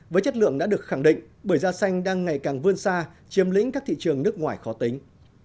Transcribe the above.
với chất lượng đã được khẳng định bưởi da xanh đang ngày càng vươn xa chiếm lĩnh các thị trường nước ngoài khó tính